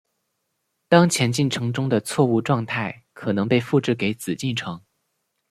当前进程中的错误状态可能被复制给子进程。